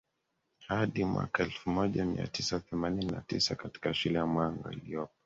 hadi mwaka elfu moja mia tisa themanini na tisa katika shule ya Mwanga iliyopo